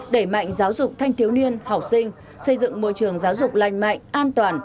đẩy mạnh giáo dục thanh thiếu niên học sinh xây dựng môi trường giáo dục lành mạnh an toàn